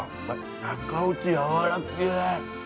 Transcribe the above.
中落ち、やわらけー。